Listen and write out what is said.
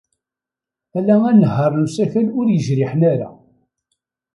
Ala anehhaṛ n usakal ur yejriḥen ara.